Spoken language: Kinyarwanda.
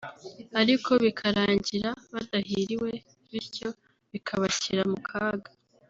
ariko bikarangira badahiriwe bityo bikabashyira mu kaga